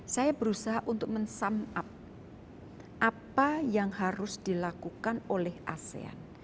saya berusaha untuk men some up apa yang harus dilakukan oleh asean